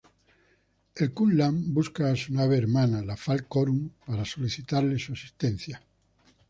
El Kuun-Lan busca a su nave hermana, la Faal-Corum, para solicitarle su asistencia.